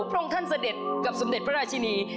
พระองค์ท่านเสด็จกับสมเด็จพระราชินี